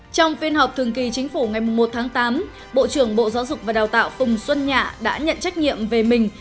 trong phiên họp thường kỳ chính phủ ngày một tháng tám bộ trưởng bộ giáo dục và đào tạo phùng xuân nhạ đã nhận trách nhiệm về mình